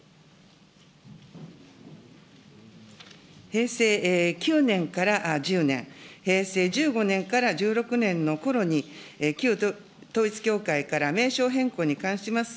平成９年から１０年、平成１５年から１６年のころに、旧統一教会から名称変更に関します